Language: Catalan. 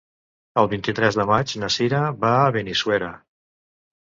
El vint-i-tres de maig na Cira va a Benissuera.